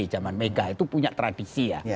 zaman mega itu punya tradisi ya